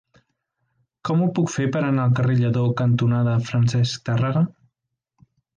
Com ho puc fer per anar al carrer Lledó cantonada Francesc Tàrrega?